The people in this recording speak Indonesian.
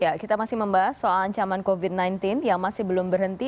ya kita masih membahas soal ancaman covid sembilan belas yang masih belum berhenti